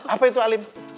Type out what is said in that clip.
apa itu alim